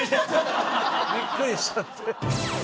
びっくりしちゃって。